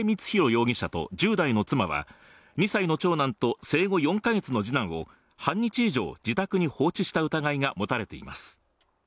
容疑者と１０代の妻は２歳の長女と生後４カ月の次男を半日以上、自宅に放置した疑いが持たれています。